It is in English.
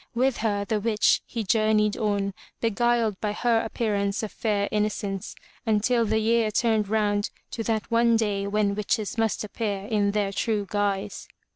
With her, the witch, he journeyed on, beguiled by her appearance of fair innocence, until the year turned round to that one day when witches must appear in their true guise.